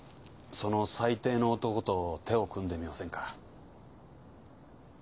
その最低の男と手を組んでみませんか？